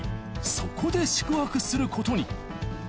そこで宿泊することに。